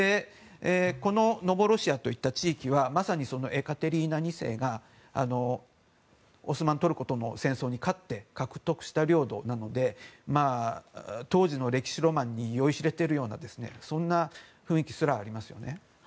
このノボロシアといった地域はまさにエカテリーナ２世がオスマン・トルコとの戦争に勝って獲得した領土なので当時の歴史ロマンに酔いしれているようなそんな雰囲気すらありますよね。